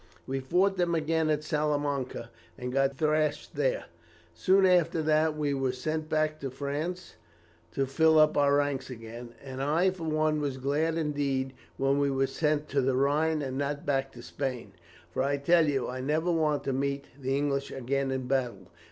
We fought them again at Salamanca, and got thrashed there; soon after that we were sent back to France to fill up our ranks again, and I for one was glad indeed when we were sent to the Rhine and not back to Spain; for I tell you I never want to meet the English again in battle.